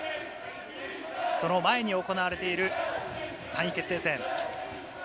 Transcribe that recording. その前に行われている３位決定戦。